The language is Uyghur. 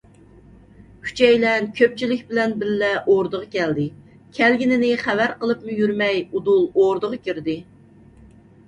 ئۈچەيلەن كۆپچىلىك بىلەن بىللە ئوردىغا كەلدى، كەلگىنىنى خەۋەر قىلىپمۇ يۈرمەي ئۇدۇل ئوردىغا كىردى.